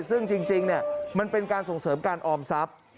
ซึ่งจริงมันเป็นการส่งเสริมการออมทรัพย์